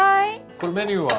これメニューは？